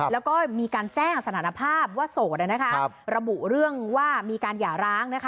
แล้วก็มีการแจ้งสถานภาพว่าโสดระบุเรื่องว่ามีการหย่าร้างนะคะ